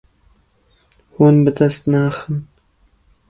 Hûn bi dest naxin.